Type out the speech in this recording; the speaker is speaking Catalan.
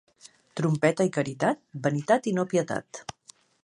Trompeta i caritat, vanitat i no pietat.